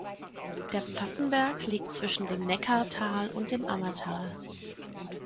Der Pfaffenberg liegt zwischen dem Neckartal und dem Ammertal.